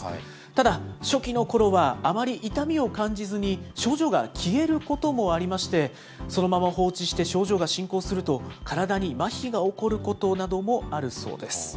ただ、初期のころはあまり痛みを感じずに、症状が消えることもありまして、そのまま放置して症状が進行すると、体にまひが起こることなどもあるそうです。